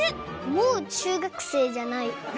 もう中学生じゃない。